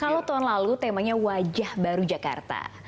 kalau tahun lalu temanya wajah baru jakarta